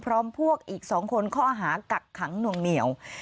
พร้อมพวกอีก๒คนข้อหากักขังหน่วงเหนียว